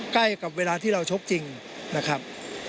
ใกล้กับเวลาที่เราชกจริงนะครับ